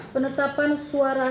penetapan suara calonis